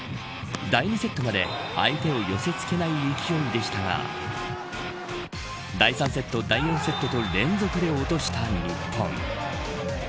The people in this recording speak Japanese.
第２セットまで相手を寄せ付けない勢いでしたが第３セット、第４セットと連続で落とした日本。